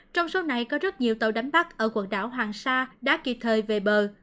trong số này có rất nhiều tàu đánh bắt ở quần đảo hoàng sa đã kịp thời về bờ